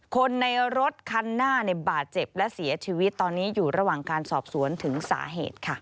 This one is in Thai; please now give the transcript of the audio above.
คนในรถคันหน้าในบาดเจ็บและเสียชีวิตตอนนี้อยู่ระหว่างการสอบสวนถึงสาเหตุค่ะ